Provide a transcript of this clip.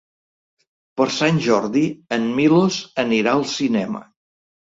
Per Sant Jordi en Milos anirà al cinema.